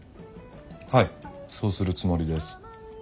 はいそうするつもりです。